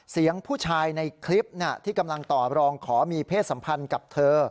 เสียงผู้ชายในคลิปที่กำลังต่อรองขอมีเพศสัมพันธ์กับเธอ